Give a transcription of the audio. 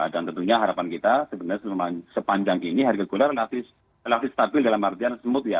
dan tentunya harapan kita sebenarnya selama sepanjang ini harga gula relatif stabil dalam artian smooth ya